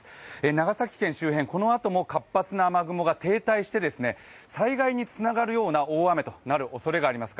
長崎県周辺、このあとも活発な雨雲が停滞して、災害につながるような大雨が降るおそれがあります。